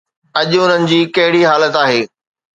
اڄ انهن جي ڪهڙي حالت آهي؟